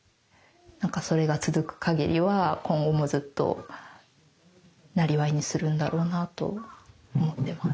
なんかそれが続くかぎりは今後もずっとなりわいにするんだろうなと思ってます。